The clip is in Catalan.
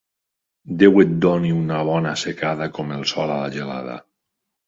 Déu et doni una bona assecada, com el sol a la gelada.